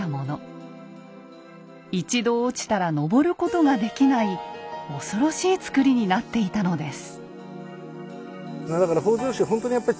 一度落ちたら登ることができない恐ろしい造りになっていたのです。